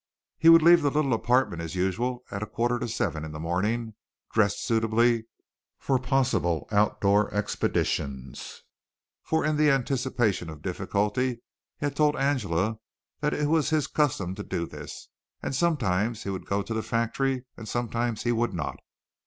He would leave the little apartment as usual at a quarter to seven in the morning, dressed suitably for possible out door expeditions, for in anticipation of difficulty he had told Angela that it was his custom to do this, and sometimes he would go to the factory and sometimes he would not.